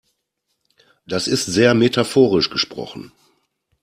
Das ist sehr metaphorisch gesprochen.